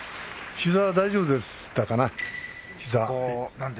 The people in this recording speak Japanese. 膝は大丈夫でしたかな。